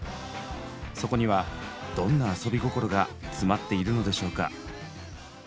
そこにはどんな「アソビゴコロ」が詰まっているのでしょうか。